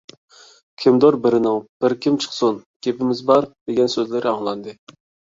كىمدۇر بىرىنىڭ: «بىر كىم چىقسۇن، گېپىمىز بار!» دېگەن سۆزلىرى ئاڭلاندى.